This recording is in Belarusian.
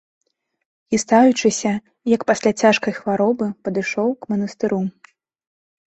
Хістаючыся, як пасля цяжкай хваробы, падышоў к манастыру.